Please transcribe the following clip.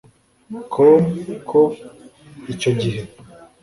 com ko icyo gihe